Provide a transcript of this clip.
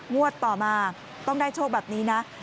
งวดต่อมาต้องได้โชคแบบนี้นะ